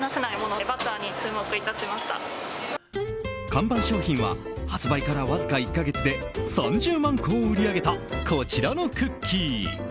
看板商品は発売からわずか１か月で３０万個を売り上げたこちらのクッキー。